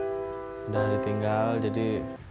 udah ditinggal jadi